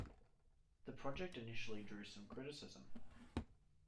The project initially drew some criticism.